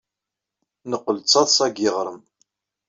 Neqqel d taḍsa deg yiɣrem.